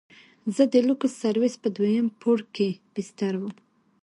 زه د لوکس سرويس په دويم پوړ کښې بستر وم.